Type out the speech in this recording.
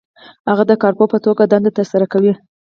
هغه د کارپوه په توګه دنده ترسره کوي.